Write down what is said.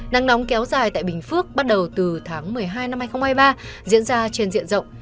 nắng nóng kéo dài tại bình phước bắt đầu từ tháng một mươi hai năm hai nghìn hai mươi ba diễn ra trên diện rộng